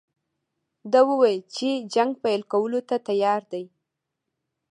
ده وویل چې جنګ پیل کولو ته تیار دی.